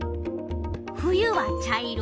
冬は茶色。